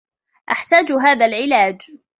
أحتاج هذا العلاج.